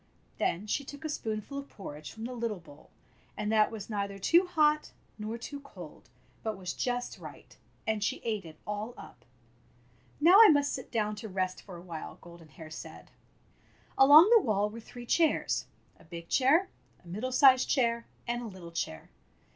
Then she took a spoonful of porridge from the little bowl, and that was neither too hot nor too cold, but was just right, and she ate it all up. "Now I must sit down to rest for a while," Golden Hair said. Along the wall were three chairs — a big chair, a middle sized chair, and a little chair.